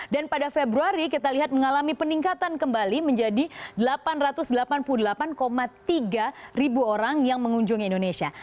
dan pada februari kita lihat mengalami peningkatan kembali menjadi delapan ratus delapan puluh delapan tiga ribu orang yang mengunjungi indonesia